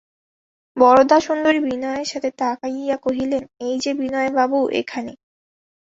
বরদাসুন্দরী বিনয়ের দিকে তাকাইয়া কহিলেন, এই যে বিনয়বাবু এখানে!